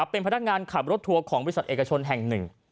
เป็นพนักงานขับรถทัวร์ของวิทยาลัยเอกชนแห่ง๑